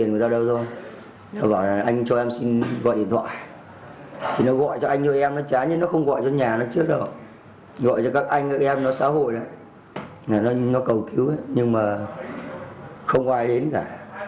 gọi cho các anh các em nó xã hội đó nó cầu cứu nhưng mà không có ai đến cả